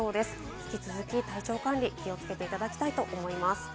引き続き体調管理にお気をつけいただきたいと思います。